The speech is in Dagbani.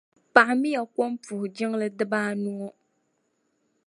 Paɣi miya kom puhi jiŋli diba anu ŋɔ.